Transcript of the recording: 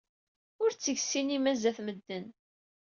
Ur tteg ssinima sdat medden.